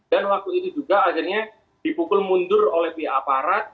waktu itu juga akhirnya dipukul mundur oleh pihak aparat